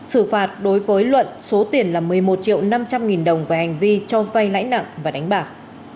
xử phạt đối với luận số tiền là một mươi một triệu năm trăm linh nghìn đồng về hành vi cho vay lãi nặng và đánh bạc